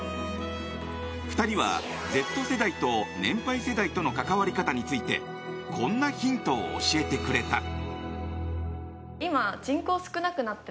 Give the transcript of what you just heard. ２人は、Ｚ世代と年配世代との関わり方についてこんなヒントを教えてくれた。